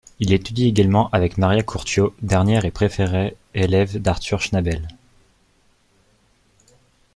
Il étudie également avec Maria Curcio, dernière et préférée élève d'Artur Schnabel.